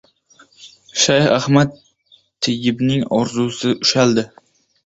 Shayx Ahmad Tayyibning orzusi ushaldi